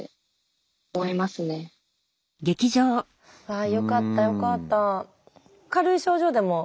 あよかったよかった。